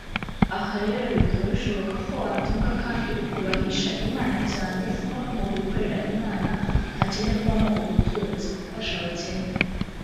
Aha rero bikaba bishoboka ko watunga kandi ukubahisha Imana cyane ko no mugukorera Imana hakenerwamo ubutunzi (gufasha abakene